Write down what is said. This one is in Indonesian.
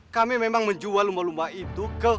kami memang menjual lumba lumba itu ke